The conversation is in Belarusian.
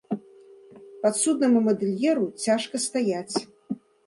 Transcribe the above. Падсуднаму мадэльеру цяжка стаяць.